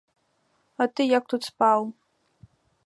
А ты як тут спаў?